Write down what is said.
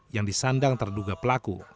yang disandang terduga pelaku